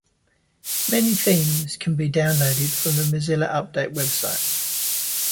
Many themes can be downloaded from the Mozilla Update web site.